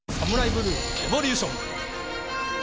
ブルーエボリューション。